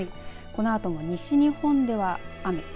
このあとも西日本では雨。